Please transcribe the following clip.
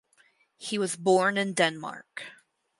He was born in Denmark.